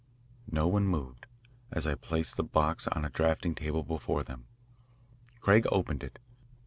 No one moved, as I placed the box on a drafting table before them. Craig opened it.